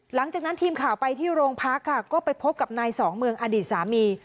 หลังจากนั้นทีมข่าวไปที่โรงพักค่ะก็ไปพบกับนายสองเมืองอดีตสามี